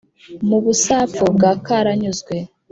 mu busapfu bwa karanyuzwe,